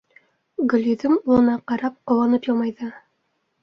— Гөлйөҙөм улына ҡарап, ҡыуанып йылмайҙы.